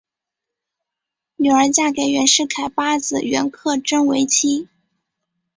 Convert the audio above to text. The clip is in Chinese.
女儿嫁给袁世凯八子袁克轸为妻。